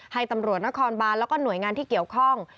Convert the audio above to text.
ให้ตำรวจนครบานแล้วก็หน่วยงานที่เกี่ยวข้อง